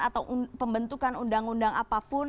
atau pembentukan undang undang apapun